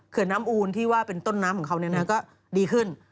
เขื่อนน้ำอูลที่ว่าเป็นต้นน้ำของเขานั้นก็ดีขึ้น